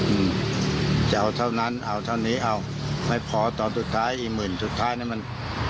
อืมจะเอาเท่านั้นเอาเท่านี้เอาไม่พอตอนสุดท้ายอีกหมื่นสุดท้ายนี่มัน